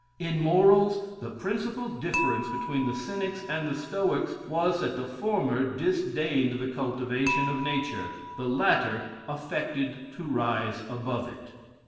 In morals, the principal difference between the Cynics and the Stoics was, that the former disdained the cultivation of nature, the latter affected to rise above it.